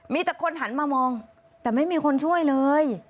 มีแต่คนหันมามองแต่ไม่มีคนช่วยเลย